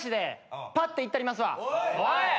おい！